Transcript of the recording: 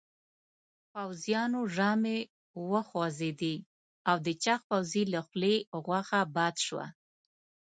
پوځيانو ژامې وخوځېدې او د چاغ پوځي له خولې غوښه باد شوه.